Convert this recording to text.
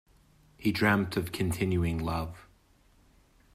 He dreamt of continuing love